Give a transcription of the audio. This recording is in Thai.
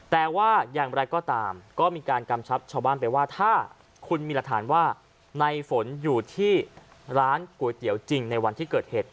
แต่ว่าอย่างไรก็ตามก็มีการกำชับชาวบ้านไปว่าถ้าคุณมีหลักฐานว่าในฝนอยู่ที่ร้านก๋วยเตี๋ยวจริงในวันที่เกิดเหตุ